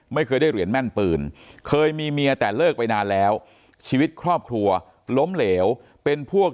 ไม่เคยได้เหรียญแม่นปืนเคยมีเมียแต่เลิกไปนานแล้วชีวิตครอบครัวล้มเหลวเป็นพวก